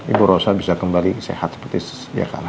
ibu rosa bisa kembali sehat seperti sedia kala